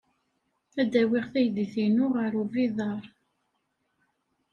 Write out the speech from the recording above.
Ad awiɣ taydit-inu ɣer ubiḍar.